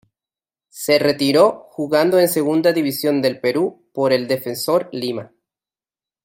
Se retiró jugando en Segunda División del Perú por el Defensor Lima.